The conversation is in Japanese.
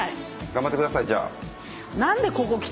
頑張ってくださいじゃあ。